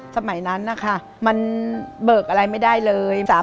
สมัยนั้นนะคะมันเบิกอะไรไม่ได้เลย